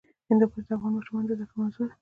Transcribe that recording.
هندوکش د افغان ماشومانو د زده کړې موضوع ده.